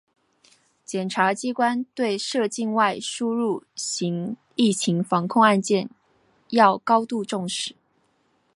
检察机关对涉境外输入型疫情防控案件要高度重视